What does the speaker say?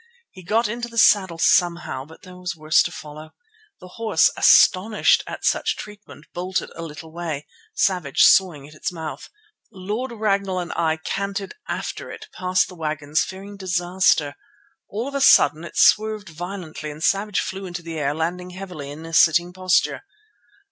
He got into the saddle somehow, but there was worse to follow. The horse, astonished at such treatment, bolted a little way, Savage sawing at its mouth. Lord Ragnall and I cantered after it past the wagons, fearing disaster. All of a sudden it swerved violently and Savage flew into the air, landing heavily in a sitting posture.